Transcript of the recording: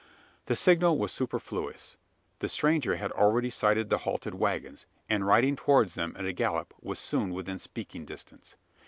The signal was superfluous. The stranger had already sighted the halted waggons; and, riding towards them at a gallop, was soon within speaking distance.